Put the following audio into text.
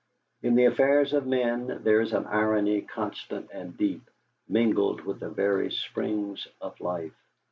In the affairs of men there is an irony constant and deep, mingled with the very springs of life.